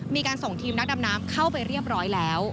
มีการส่งทีมนักดำน้ำเข้าไปเรียบร้อยแล้ว